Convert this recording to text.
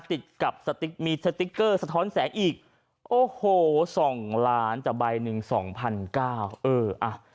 ติดกับสติกเกอร์สะท้อนแสงอีกโอ้โห๒๐๐๐๐๐๐บาทแต่ใบหนึ่ง๒๙๐๐บาท